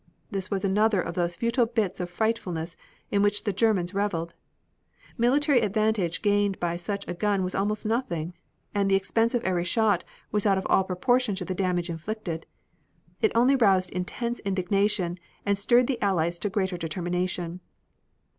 This was another of those futile bits of frightfulness in which the Germans reveled. Military advantage gained by such a gun was almost nothing, and the expense of every shot was out of all proportion to the damage inflicted. It only roused intense indignation and stirred the Allies to greater determination.